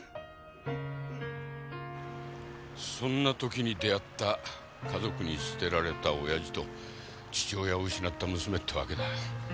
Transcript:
そんな時に出会った家族に捨てられた親父と父親を失った娘ってわけだ。